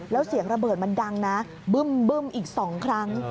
แล้วเสียงระเบิดมันดังนะบึ้มอีก๒ครั้ง